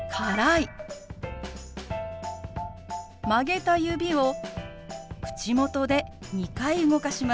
曲げた指を口元で２回動かします。